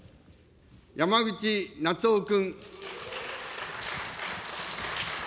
山口那津男君。